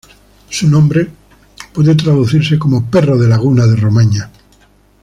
Su nombre puede traducirse como "perro de laguna de Romagna".